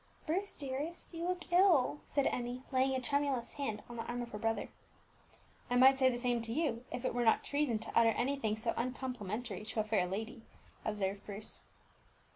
"Bruce, dearest, you look ill," said Emmie, laying a tremulous hand on the arm of her brother. "I might say the same to you, if it were not treason to utter anything so uncomplimentary to a fair lady," observed Bruce.